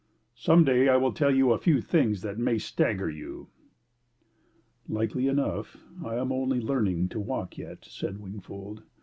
"Some day I will tell you a few things that may stagger you." "Likely enough: I am only learning to walk yet," said Wingfold.